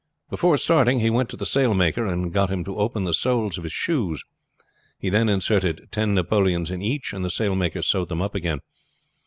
Before starting he went to the sailmaker and got him to open the soles of his shoes; he then inserted ten napoleons in each, and the sailmaker sewed them up again.